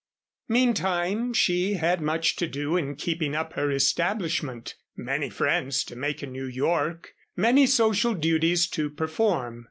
Meantime she had much to do in keeping up her establishment, many friends to make in New York, many social duties to perform.